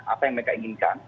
apa yang mereka inginkan